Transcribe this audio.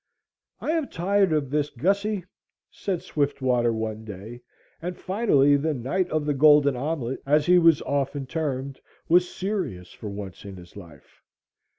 "I am tired of this, Gussie," said Swiftwater one day, and finally the "Knight of the Golden Omelette," as he was often termed, was serious for once in his life.